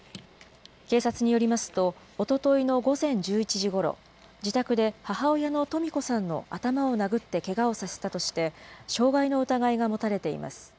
警察によりますと、おとといの午前１１時ごろ、自宅で母親のとみ子さんの頭を殴ってけがをさせたとして、傷害の疑いが持たれています。